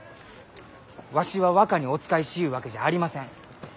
わしは若にお仕えしゆうわけじゃありません。